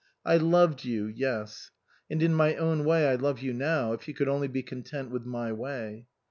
" I loved you yes. And in my own way I love you now, if you could only be content with my way."